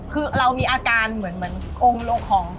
คือเรามีอาการเหมือนองค์โลคอง